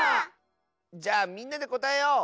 じゃあみんなでこたえよう！